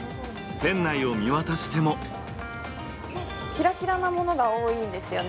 店内を見渡してもキラキラのものが多いですね。